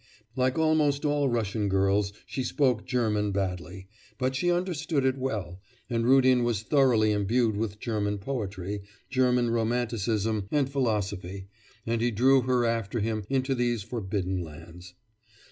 Like almost all Russian girls, she spoke German badly, but she understood it well, and Rudin was thoroughly imbued with German poetry, German romanticism and philosophy, and he drew her after him into these forbidden lands.